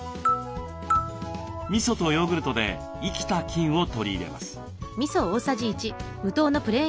みそとヨーグルトで生きた菌を取り入れます。